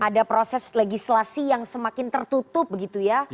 ada proses legislasi yang semakin tertutup begitu ya